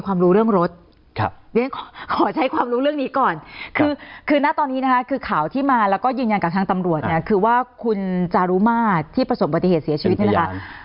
คือข่าวที่มาแล้วก็ยืนยันกับทางตำรวจคือว่าคุณจารุมาทที่ผสมปฏิเหตุเสียชีวิตนี้นะคะ